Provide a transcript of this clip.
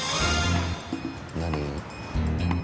何？